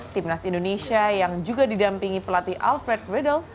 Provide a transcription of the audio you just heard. timnas indonesia yang juga didampingi pelatih alfred riedel